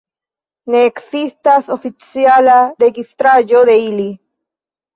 Ne ekzistas oficiala registraĵo de ili.